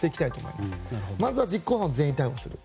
まずは実行犯を全員逮捕する。